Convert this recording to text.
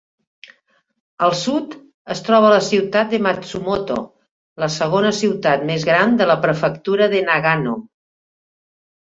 Al sud, es troba la ciutat de Matsumoto, la segona ciutat més gran de la prefectura de Nagano.